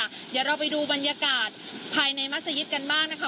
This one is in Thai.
เดี๋ยวเราไปดูบรรยากาศภายในมัศยิตกันบ้างนะคะ